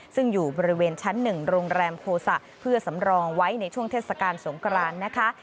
ซึ่งอยู่บริเวณชั้น๑โรงแรมโภสะเพื่อสำรองไว้ในช่วงเทศกาลสงครานนะคะ